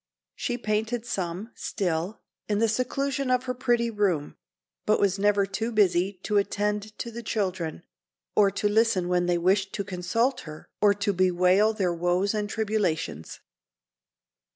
She painted some, still, in the seclusion of her pretty room, but was never too busy to attend to the children or to listen when they wished to consult her or to bewail their woes and tribulations.